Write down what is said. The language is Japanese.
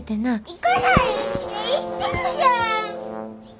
行かないって言ってるじゃん！